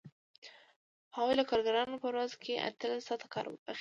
هغوی له کارګرانو په ورځ کې اتلس ساعته کار اخیست